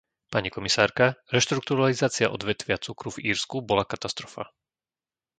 Pani komisárka, reštrukturalizácia odvetvia cukru v Írsku bola katastrofa.